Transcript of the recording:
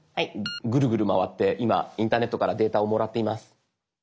グルグル回って今インターネットからデータをもらっています。